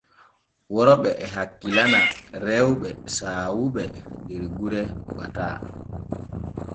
Worɓe e hakkilana rewɓe saawuɓe der gure gbataa.